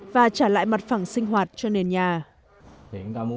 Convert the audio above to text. và trả lại mặt phẳng sinh hoạt cho nền nhà